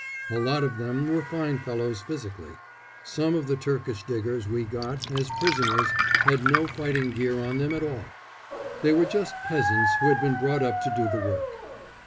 A lot of them were fine fellows physically. Some of the Turkish diggers we got as prisoners had no fighting gear on them at all. They were just peasants who had been brought up to do the work.